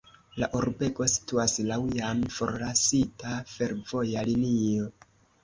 La urbego situas laŭ jam forlasita fervoja linio.